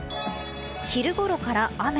昼ごろから雨。